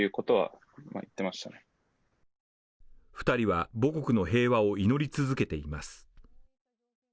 ２人は母国の平和を祈り続けています。